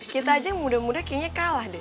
kita aja yang muda muda kayaknya kalah deh